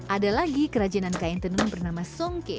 ada lagi kerajinan kain tenun bernama songke